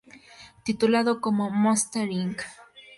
Titulada como "Monsters, Inc.